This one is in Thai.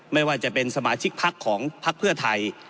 ไม่ว่าจะเป็นสมาชิกพักของพักเพื่อไทย